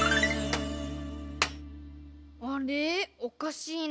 あれおかしいな？